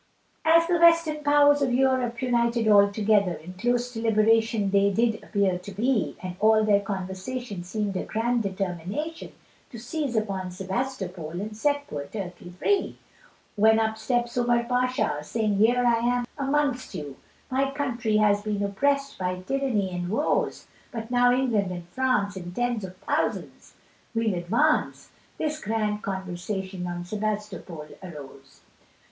As the western powers of Europe united all together, In close deliberation they did appear to be, And all their conversation seemed a grand determination, To seize upon Sebastopol and set poor Turkey free! When up steps Omar Pasha, saying here I am amongst you My country has been oppressed by tyranny and woes, But now England and France in tens of thousands we'll advance, This grand conversation on Sebastopol arose.